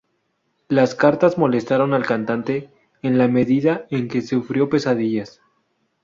Las cartas molestaron al cantante en la medida en que sufrió pesadillas.